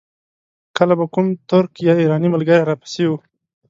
کله به کوم ترک یا ایراني ملګری را پسې و.